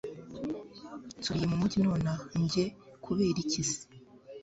nsubiye mumugi nonaha! njye kuberiki se